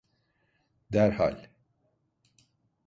Derhal.